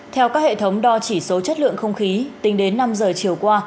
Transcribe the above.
theo các hệ thống đo chỉ số chất lượng không khí tính đến năm giờ chiều qua